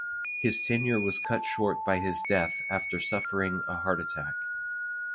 His tenure was cut short by his death after suffering a heart attack.